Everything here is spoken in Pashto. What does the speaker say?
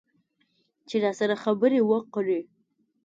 چې راسره خبرې وکړي.